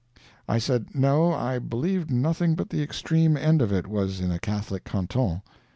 I said, no, I believed nothing but the extreme end of it was in a Catholic canton.